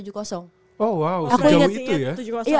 oh wow sejauh itu ya